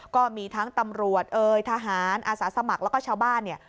ก็มีทั้งตำรวจเอ่ยทหารอาสาสมัครแล้วก็ชาวบ้านเนี่ย